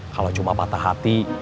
kalau cuma patah hati